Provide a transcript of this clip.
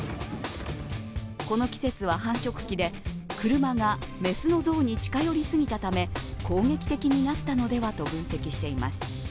この季節は繁殖期で車が雌の象に近寄りすぎたため攻撃的になったのではと分析しています。